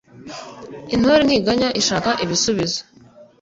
Intore ntiganya ishaka ibisubizo